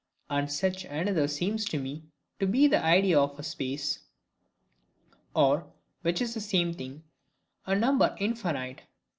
And such another seems to me to be the idea of a space, or (which is the same thing) a number infinite, i.